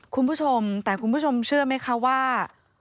คุณผู้ชมแต่คุณผู้ชมเชื่อไหมคะว่า